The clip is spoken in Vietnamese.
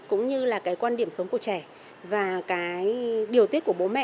cũng như là cái quan điểm sống của trẻ và cái điều tiết của bố mẹ